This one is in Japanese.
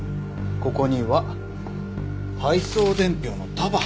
ここには配送伝票の束。